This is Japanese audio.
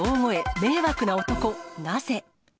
迷惑な男、なぜ？